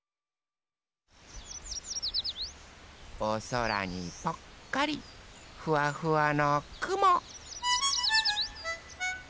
おそらにぽっかりフワフワのくも。